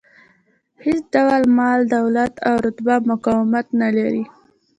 هېڅ ډول مال، دولت او رتبه مقاومت نه لري.